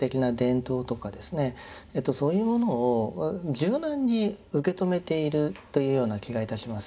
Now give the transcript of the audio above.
そういうものを柔軟に受け止めているというような気がいたします。